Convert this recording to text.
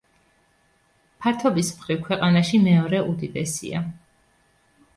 ფართობის მხრივ, ქვეყანაში მეორე უდიდესია.